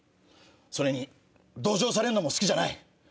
それに同情されるのも好きじゃない。